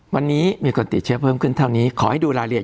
วันนี้มีคนติดเชื้อเพิ่มขึ้นเท่านี้ขอให้ดูรายละเอียด